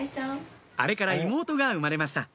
あれから妹が生まれました